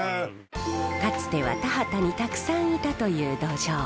かつては田畑にたくさんいたというドジョウ。